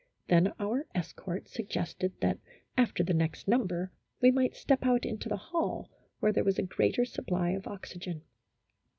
Then our escort sug gested that, after the next number, we might step out into the hall, where there was a greater supply of oxygen.